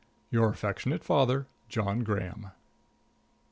Your affectionate father, JOHN GRAHAM.